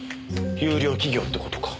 優良企業って事か。